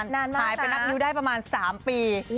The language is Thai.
นานมากนะหายไปนับนิ้วได้ประมาณ๓ปี